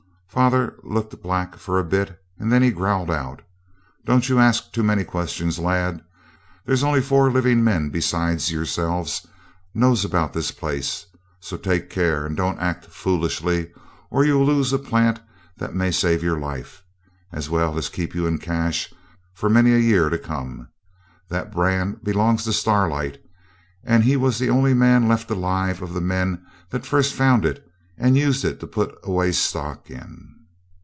Father looked black for a bit, and then he growled out, 'Don't you ask too many questions, lad. There's only four living men besides yourselves knows about this place; so take care and don't act foolishly, or you'll lose a plant that may save your life, as well as keep you in cash for many a year to come. That brand belongs to Starlight, and he was the only man left alive of the men that first found it and used it to put away stock in.